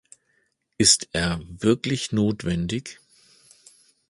Ist er wirklich notwendig?